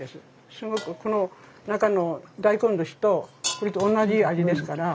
すごくこの中の大根ずしとこれと同じ味ですから。